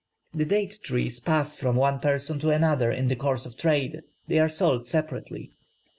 The date trees pass from one person to another in the course of trade; they are sold separately.